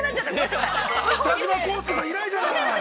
◆北島康介さん以来じゃない。